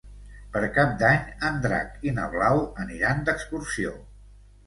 Per Cap d'Any en Drac i na Blau aniran d'excursió.